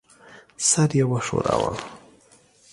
سر یې وښوراوه.